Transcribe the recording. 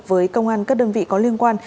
với công an các đơn vị có liên quan